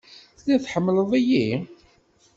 Telliḍ tḥemmleḍ-iyi?